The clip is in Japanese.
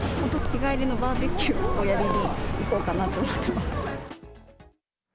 日帰りのバーベキューをやりに行こうかなと思ってます。